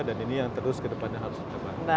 dan ini yang terus kedepannya harus kita bangga